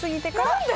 何で？